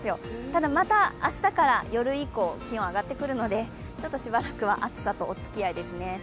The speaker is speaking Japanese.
ただ、また明日から夜以降気温が上がってくるので、しばらくは暑さとおつきあいですね。